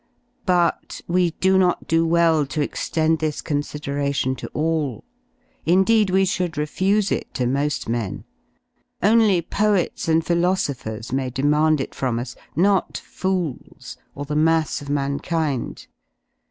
But we do not do well to extend this consideration to all, indeed we should refuse it to mo^t men. Only poets and philosophers may demand it from us, not fools, or the mass of mankind.